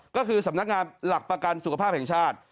ก็คือสำนักงานหลักประกันสุขภาพแห่งชาติ